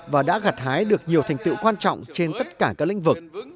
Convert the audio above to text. và đã gặt hái được nhiều thành tựu quan trọng trên tất cả các lĩnh vực